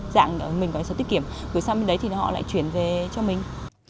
dạng mình gửi sổ tiết kiệm gửi sang bên đấy thì họ lại chuyển về cho mình